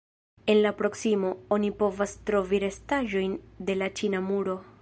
En la proksimo, oni povas trovi restaĵojn de la Ĉina muro.